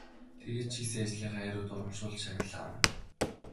Тэгээд ч хийсэн ажлынхаа хариуд урамшуулал шагнал авна.